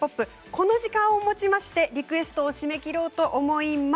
この時間をもちましてリクエストを締め切ろうと思います。